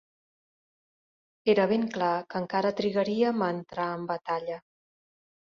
Era ben clar que encara trigaríem a entrar en batalla